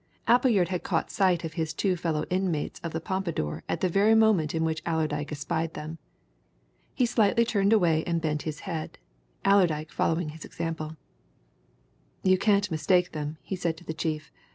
Appleyard had caught sight of his two fellow inmates of the Pompadour at the very moment in which Allerdyke espied them. He slightly turned away and bent his head; Allerdyke followed his example. "You can't mistake them," he said to the chief.